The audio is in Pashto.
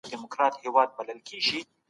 له غریبۍ وو